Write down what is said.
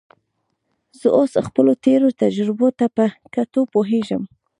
زه اوس خپلو تېرو تجربو ته په کتو پوهېږم.